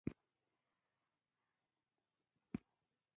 ځان مې دې ته سپارلی و، د سیند څنډه اوس نه ښکارېده.